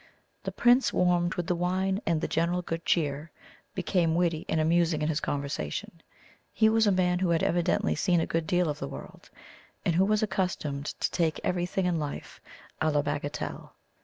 The Prince, warmed with the wine and the general good cheer, became witty and amusing in his conversation; he was a man who had evidently seen a good deal of the world, and who was accustomed to take everything in life a la bagatelle.